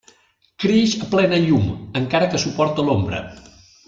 Creix a plena llum encara que suporta l'ombra.